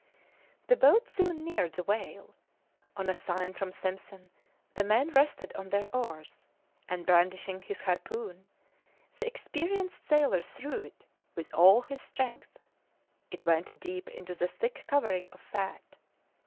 The boat soon neared the whale; on a sign from Simpson the men rested on their oars, and brandishing his harpoon, the experienced sailor threw it with all his strength; it went deep into the thick covering of fat.